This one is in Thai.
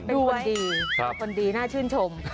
เป็นคนดีคนดีน่าชื่นชม